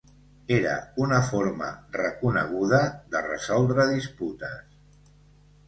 Era una forma reconeguda de resoldre disputes.